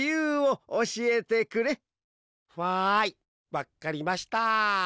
わっかりました。